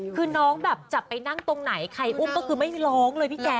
คือน้องแบบจะไปนั่งตรงไหนใครอุ้มก็คือไม่ร้องเลยพี่แจ๊